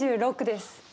２６です。